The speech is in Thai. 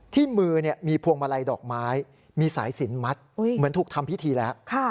ที่มือมีพวงมาลัยดอกไม้มีสายสินมัดเหมือนถูกทำพิธีแล้ว